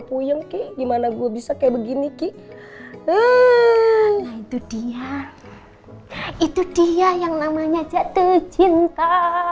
puyung ki gimana gue bisa kayak begini ki nah itu dia itu dia yang namanya jatuh cinta